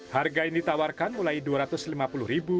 harga yang ditawarkan mulai rp dua ratus lima puluh